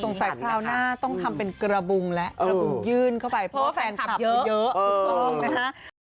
สงสัยคราวหน้าต้องทำเป็นกระบุงแหละกระบุงยื่นเข้าไปเพราะว่าแฟนคลับเยอะ